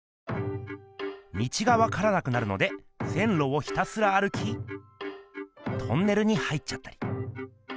道がわからなくなるので線路をひたすら歩きトンネルに入っちゃったり。